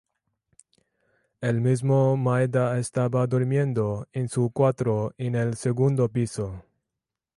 El mismo Maeda estaba durmiendo en su cuarto en el segundo piso.